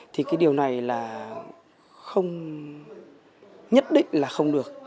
thì cái điều này là không nhất định là không được